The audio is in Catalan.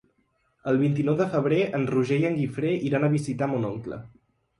El vint-i-nou de febrer en Roger i en Guifré iran a visitar mon oncle.